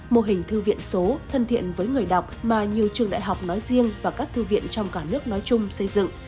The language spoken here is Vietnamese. mô hình thư viện số thân thiện với người đọc mà nhiều trường đại học nói riêng và các thư viện trong cả nước nói chung xây dựng